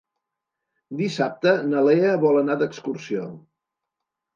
Dissabte na Lea vol anar d'excursió.